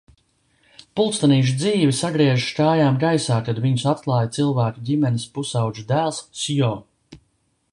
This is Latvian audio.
Pulkstenīšu dzīve sagriežas kājām gaisā, kad viņus atklāj cilvēku ģimenes pusaudžu dēls Sjo.